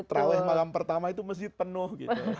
terawih malam pertama itu masjid penuh gitu